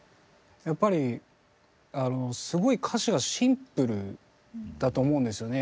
やっぱりすごい歌詞がシンプルだと思うんですよね